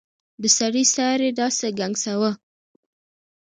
د سړي سر داسې ګنګساوه.